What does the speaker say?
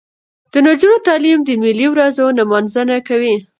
د نجونو تعلیم د ملي ورځو نمانځنه کوي.